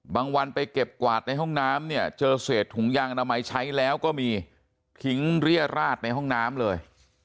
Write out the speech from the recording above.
วันไปเก็บกวาดในห้องน้ำเนี่ยเจอเศษถุงยางอนามัยใช้แล้วก็มีทิ้งเรียราดในห้องน้ำเลย